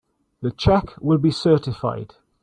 The check will be certified.